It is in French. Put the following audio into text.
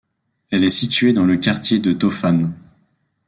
Elle est située dans le quartier de Tophane.